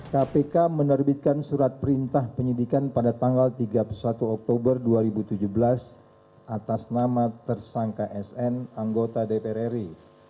kpk menerbitkan surat perintah penyidikan pada tanggal tiga puluh satu oktober dua ribu tujuh belas atas nama tersangka sn anggota dpr ri